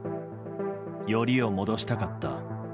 よりを戻したかった。